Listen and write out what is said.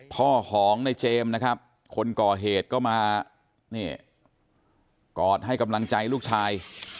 พ่อของในเจมส์นะครับคนก่อเหตุก็มากอดให้กำลังใจลูกชาย